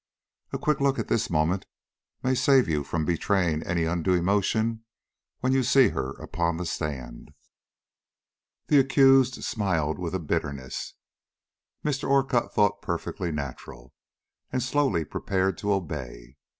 A quick look at this moment may save you from betraying any undue emotion when you see her upon the stand." The accused smiled with a bitterness Mr. Orcutt thought perfectly natural, and slowly prepared to obey.